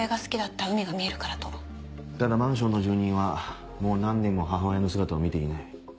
ただマンションの住人はもう何年も母親の姿を見ていない。